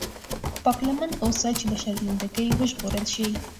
پاک لمن اوسه چې له شرمنده ګۍ وژغورل شې.